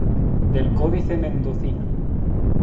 Del códice Mendocino.